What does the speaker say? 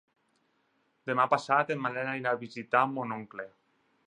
Demà passat en Manel anirà a visitar mon oncle.